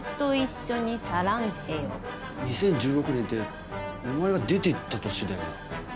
２０１６年ってお前が出て行った年だよな？